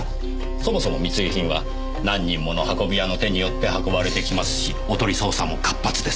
そもそも密輸品は何人もの運び屋の手によって運ばれてきますしおとり捜査も活発です。